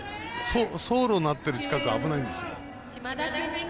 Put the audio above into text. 走路になってる近くは危ないんですよ。